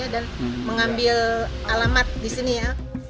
dan mengambil alamat di sini ya